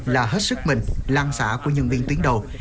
là hết sức mình lan xả của nhân viên tuyến đầu